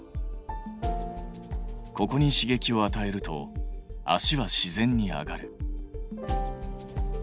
ここに刺激をあたえると足は自然に上がる。